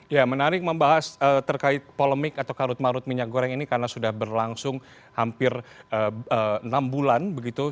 ya menarik membahas terkait polemik atau karut marut minyak goreng ini karena sudah berlangsung hampir enam bulan begitu